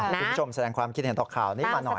คุณผู้ชมแสดงความคิดเห็นต่อข่าวนี้มาหน่อย